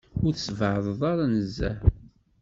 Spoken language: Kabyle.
Ur tessbeεdeḍ ara nezzeh.